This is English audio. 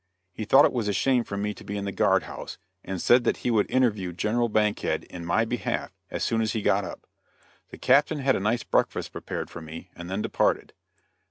He thought it was a shame for me to be in the guard house, and said that he would interview General Bankhead in my behalf as soon as he got up. The Captain had a nice breakfast prepared for me, and then departed.